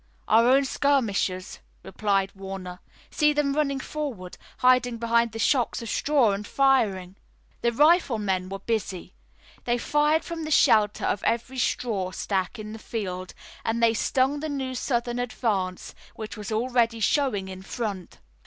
"Our own skirmishers," replied Warner. "See them running forward, hiding behind the shocks of straw and firing!" The riflemen were busy. They fired from the shelter of every straw stack in the field, and they stung the new Southern advance, which was already showing its front.